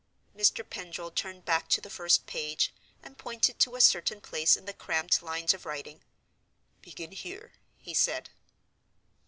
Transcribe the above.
Mr. Pendril turned back to the first page, and pointed to a certain place in the cramped lines of writing. "Begin here," he said.